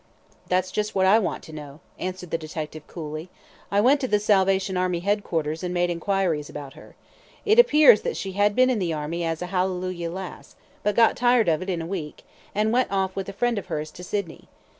"That's just what I want to know," answered the detective, coolly; "I went to the Salvation Army head quarters and made enquiries about her. It appears that she had been in the Army as a hallelujah lass, but got tired of it in a week, and went off with a friend of hers to Sydney.